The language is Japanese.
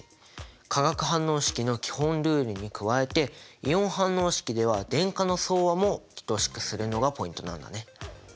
化学反応式の基本ルールに加えてイオン反応式では電荷の総和も等しくするのがポイントなんだね。